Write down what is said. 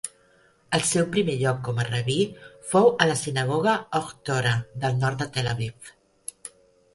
El seu primer lloc com a rabí fou a la sinagoga Ohr Torah del nord de Tel Aviv.